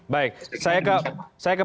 baik saya ke